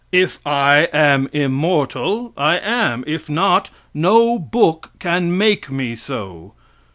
If I am immortal, I am; if not, no book can make me so.